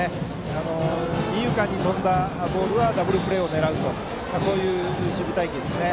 二遊間に飛んだボールはダブルプレーを狙うとそういう守備隊形ですね。